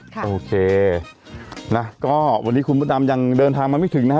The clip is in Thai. โอเคนะก็วันนี้คุณพระดำยังเดินทางมาไม่ถึงนะฮะ